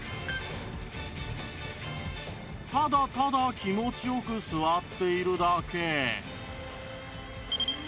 ただただ気持ちよく座っているだけ